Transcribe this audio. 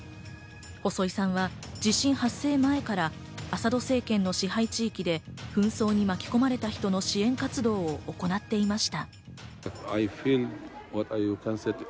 細井さんは地震発生前からアサド政権の支配地域で紛争に巻き込まれた人の支援活動を行っていました。